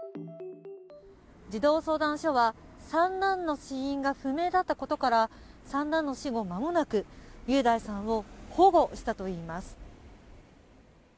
児童相談所は三男の死因が不明だったことから三男の死後、まもなく雄大さんを保護したといいます。